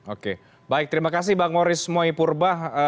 oke baik terima kasih bang moris moipurbah